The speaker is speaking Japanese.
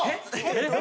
えっ？